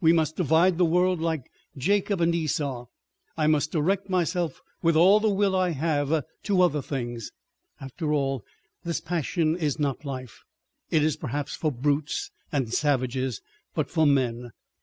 ... We must divide the world like Jacob and Esau. ... I must direct myself with all the will I have to other things. After all—this passion is not life! It is perhaps for brutes and savages, but for men.